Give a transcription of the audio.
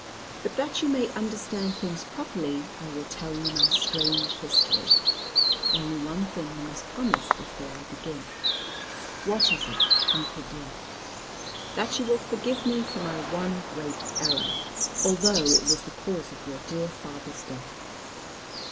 But that you may understand things properly, I will tell you my strange history. Only one thing you must promise before I begin." "What is it, uncle dear?" "That you will forgive me for my one great error. Although it was the cause of your dear father's death."